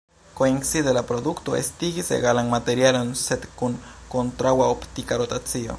Koincide, la produkto estigis egalan materialon sed kun kontraŭa optika rotacio.